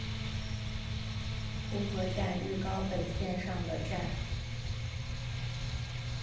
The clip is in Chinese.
浦河站日高本线上的站。